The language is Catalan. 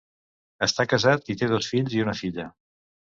Està casat i té dos fills i una filla.